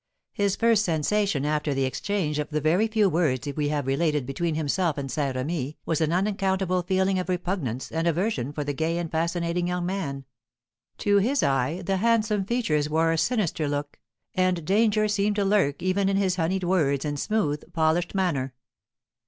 His first sensation after the exchange of the very few words we have related between himself and Saint Remy was an unaccountable feeling of repugnance and aversion for the gay and fascinating young man; to his eye, the handsome features wore a sinister look, and danger seemed to lurk even in his honeyed words and smooth, polished manner.